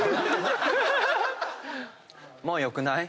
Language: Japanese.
「もうよくない」